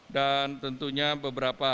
dan tentunya beberapa